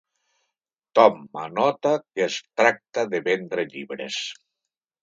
Tom anota que es tracta de vendre llibres.